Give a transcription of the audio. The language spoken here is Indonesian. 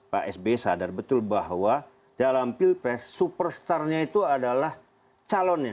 pak sby sadar betul bahwa dalam pilpres superstarnya itu adalah calonnya